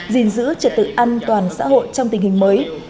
gìn giữ trật tự an toàn xã hội trong tình hình mới